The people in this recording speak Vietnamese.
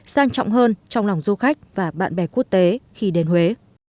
sang trọng hơn trong lòng du khách và bạn bè quốc tế khi đến huế